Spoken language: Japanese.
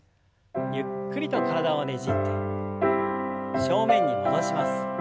ゆっくりと体をねじって正面に戻します。